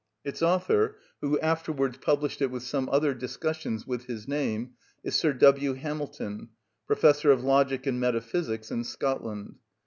Its author, who afterwards published it with some other discussions, with his name, is Sir W. Hamilton, Professor of Logic and Metaphysics in Scotland.